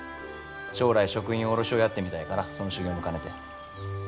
将来食品卸をやってみたいからその修業も兼ねて。